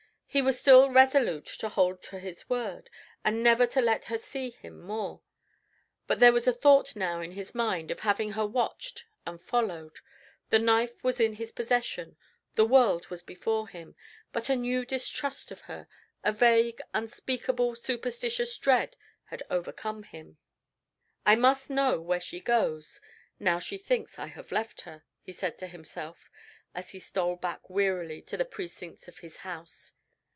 He was still resolute to hold to his word, and never to let her see him more; but there was a thought now in his mind of having her watched and followed. The knife was in his possession; the world was before him; but a new distrust of her a vague, unspeakable, superstitious dread had overcome him. "I must know where she goes, now she thinks I have left her," he said to himself, as he stole back wearily to the precincts of his house.